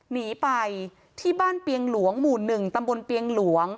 หนีไปที่บ้านเปียงหลวงหมู่๑ตำบลเปียงหลวง